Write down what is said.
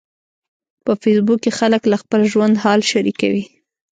په فېسبوک کې خلک له خپل ژوند حال شریکوي.